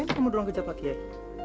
ngapain kamu duluan kejar pak kiai